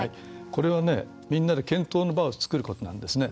これはみんなで検討の場を作ることなんですね。